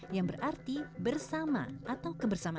yang berarti bersama atau kebersamaan